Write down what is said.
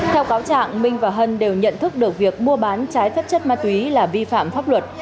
theo cáo trạng minh và hân đều nhận thức được việc mua bán trái phép chất ma túy là vi phạm pháp luật